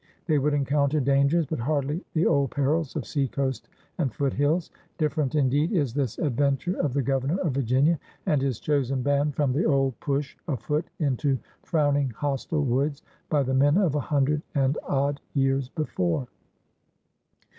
They would encoimter dangers, but hardly the old perils of seacoast and foothills. Different, indeed, is this adventure of the Governor of Virginia and his chosen band from the old push afoot into frowning ALEXANDER SPOTSWOOD JK7 hostile woods by the men of a hundred and odd years before!